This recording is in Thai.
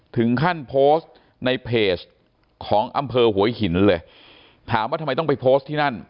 ถึงขั้นโพสต์ในเพจของอำเภอหัวหินเลยถามว่าทำไมต้องไปโพสต์ที่นั่น